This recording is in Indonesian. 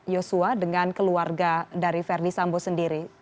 yosua dengan keluarga dari verdi sambo sendiri